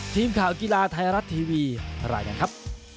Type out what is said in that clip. ทีมข่าวกีฬาไทยรัฐทีวีรายงานครับ